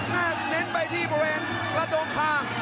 แน่นิ้นไปที่บริเวณแล้วโดนข้าง